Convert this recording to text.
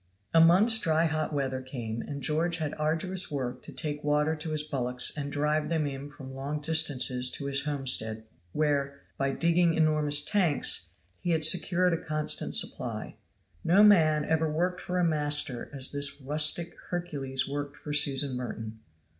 A month's dry hot weather came and George had arduous work to take water to his bullocks and to drive them in from long distances to his homestead, where, by digging enormous tanks, he had secured a constant supply. No man ever worked for a master as this rustic Hercules worked for Susan Merton.